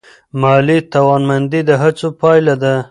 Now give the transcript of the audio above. مالي توانمندي د هڅو پایله ده.